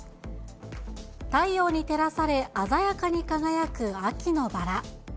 太陽に照らされ、鮮やかに輝く秋のバラ。